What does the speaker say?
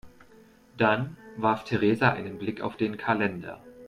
Dann warf Theresa einen Blick auf den Kalender.